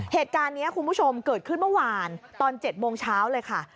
เหตุการณ์นี้คุณผู้ชมเกิดขึ้นเมื่อวานตอน๗โมงเช้าเลยค่ะ